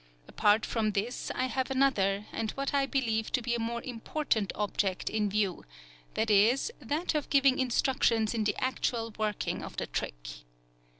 Apart from this I have another, and what I believe to be a more important object in view, viz., that of giving instruction in the actual working of the trick.